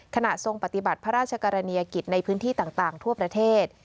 ทรงปฏิบัติพระราชกรณียกิจในพื้นที่ต่างทั่วประเทศ